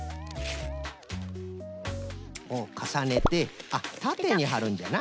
かさねてあったてにはるんじゃな。